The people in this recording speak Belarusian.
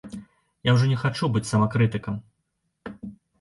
Я ўжо не хачу быць самакрытыкам.